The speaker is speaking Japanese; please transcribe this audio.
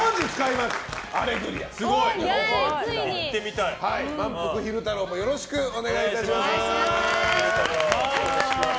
まんぷく昼太郎もよろしくお願いいたします。